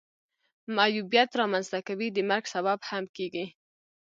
معیوبیت را منځ ته کوي د مرګ سبب هم کیږي.